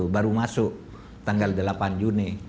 baru masuk tanggal delapan juni